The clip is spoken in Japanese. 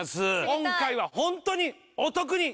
今回はホントにお得に！